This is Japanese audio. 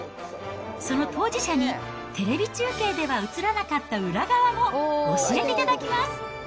その当事者にテレビ中継では映らなかった裏側も教えてもらいます。